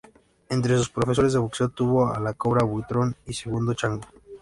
Entre sus profesores de boxeo tuvo a ‘La Cobra’ Buitrón y Segundo Chango.